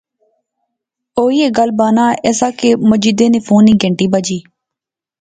او ایہہ گل بانا ایہہ سا کہ مجیدے نےموبائل فونے نی گھنتی بجی